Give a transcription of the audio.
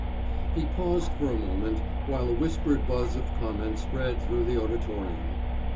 He paused for a moment while a whispered buzz of comment spread through the auditorium.